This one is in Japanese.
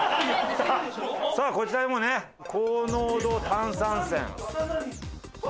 さあこちらもね高濃度炭酸泉。